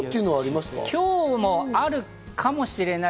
今日もあるかもしれない。